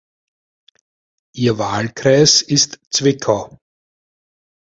Ihr Wahlkreis ist Zwickau.